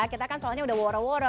kita kan soalnya udah woro woro